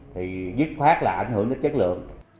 thì dứt khoát là ảnh hưởng đến chất lượng